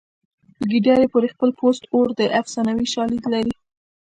په ګیدړې پورې خپل پوست اور دی افسانوي شالید لري